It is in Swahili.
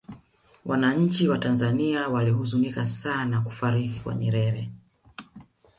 wananchi wa tanzania walihuzunika sana kufariki kwa nyerere